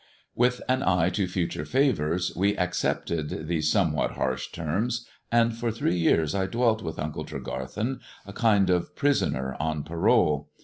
With an eye to future favours, we accepted these somewhat harsh terms, and for three years I dwelt with Uncle Tregar then, a kind of prisoner on parole.